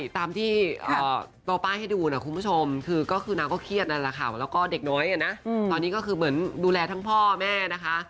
ตามที่ตัวป้ายให้ดูนะคุณผู้ชมคือก็คือนางก็เครียดนั่นแหละค่ะแล้วก็เด็กน้อยนะตอนนี้ก็คือเหมือนดูแลทั้งพ่อแม่นะคะ